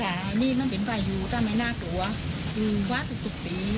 ใช่อันนี้ต้องเป็นภายุถ้าไม่น่ากลัวว่าสุดปี